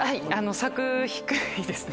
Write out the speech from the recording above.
柵低いですね。